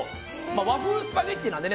和風スパゲティなのでね